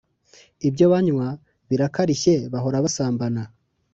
Ibyo banywa birakarishye bahora basambana